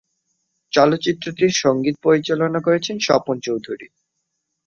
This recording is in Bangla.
চলচ্চিত্রটির সঙ্গীত পরিচালনা করেছিলেন স্বপন চক্রবর্তী।